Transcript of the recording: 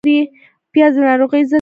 پیاز د ناروغیو ضد ده